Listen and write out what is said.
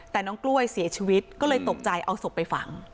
แต่น้องกล้วยเสียชีวิตก็เลยตกใจเอาศพไปฝัง